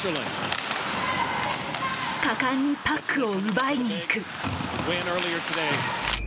果敢にパックを奪いに行く。